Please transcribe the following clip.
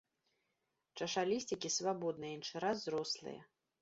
Чашалісцікі свабодныя, іншы раз зрослыя.